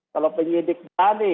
kalau penyidik tani